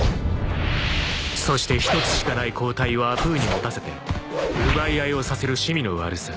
［そして１つしかない抗体をアプーに持たせて奪い合いをさせる趣味の悪さ。